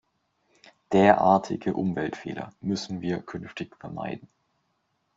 Derartige Umweltfehler müssen wir künftig vermeiden.